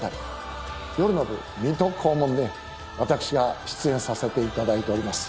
夜の部『水戸黄門』で私が出演させて頂いております。